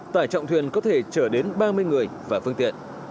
tải trọng thuyền có thể chở đến ba mươi người và phương tiện